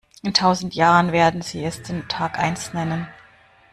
In tausend Jahren werden sie es den Tag eins nennen.